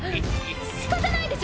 仕方ないでしょ！